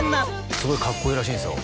すごいかっこいいらしいんですよ